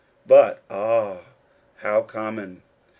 but, ah, how common.